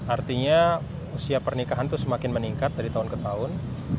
artinya usia pernikahan itu semakin meningkat dari tahun ke tahun